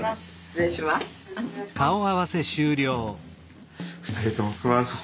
失礼します。